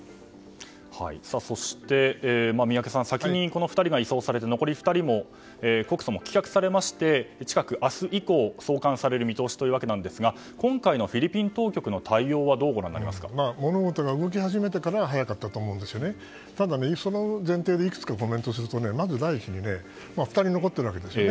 そして、宮家さん先にこの２人が移送されて残りの２人も告訴も棄却されまして近く明日以降、送還される見通しというわけですが今回のフィリピン当局の対応は物事が動き始めてからは早かったですがただその前提でいくつかコメントするとまず第一に２人残っているわけですね。